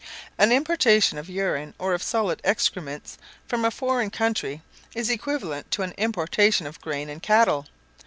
An importation of urine, or of solid excrements, from a foreign country, is equivalent to an importation of grain and cattle.